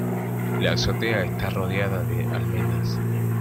La azotea está rodeada de almenas.